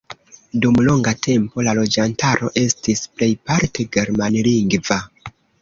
Dum longa tempo la loĝantaro estis plejparte germanlingva.